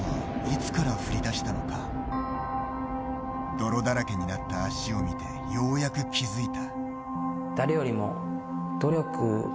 泥だらけになった足を見てようやく気付いた。